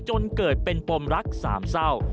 จนเกิดเป็นปมรักสามเศร้า